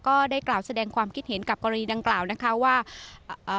ก็ได้กล่าวแสดงความคิดเห็นกับกรณีดังกล่าวนะคะว่าเอ่อ